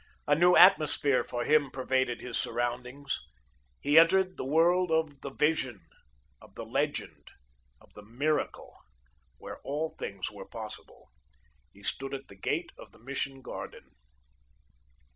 A new atmosphere for him pervaded his surroundings. He entered the world of the Vision, of the Legend, of the Miracle, where all things were possible. He stood at the gate of the Mission garden.